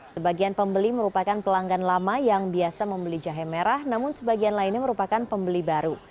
sebagian pembeli merupakan pelanggan lama yang biasa membeli jahe merah namun sebagian lainnya merupakan pembeli baru